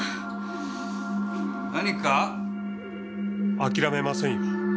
諦めませんよ。